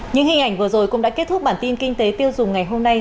những hình ảnh vừa rồi cũng đã kết thúc bản tin kinh tế tiêu dùng ngày hôm nay